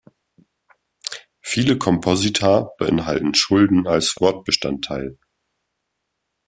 Viele Komposita beinhalten Schulden als Wortbestandteil.